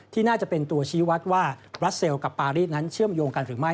น่าจะเป็นตัวชี้วัดว่าบรัสเซลกับปารีสนั้นเชื่อมโยงกันหรือไม่